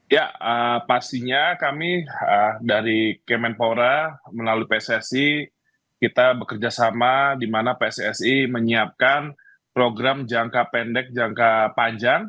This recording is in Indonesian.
ya pastinya kami dari kemenpora melalui pssi kita bekerja sama di mana pssi menyiapkan program jangka pendek jangka panjang